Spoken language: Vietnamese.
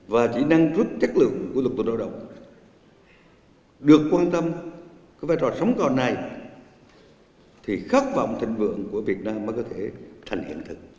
và chỉ năng rút chất lượng của lực tượng đạo động được quan tâm cái vai trò sống còn này thì khát vọng thịnh vượng của việt nam mới có thể thành hiện thực